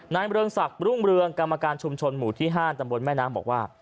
เมืองศักดิ์รุ่งเรืองกรรมการชุมชนหมู่ที่๕ตำบลแม่น้ำบอกว่า